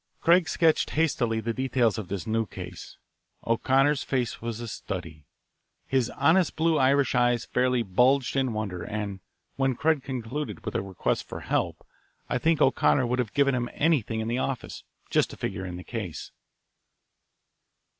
Craig sketched hastily the details of this new case. O'Connor's face was a study. His honest blue Irish eyes fairly bulged in wonder, and when Craig concluded with a request for help I think O'Connor would have given him anything in the office, just to figure in the case.